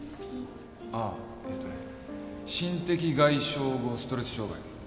あぁえーとね「心的外傷後ストレス障害」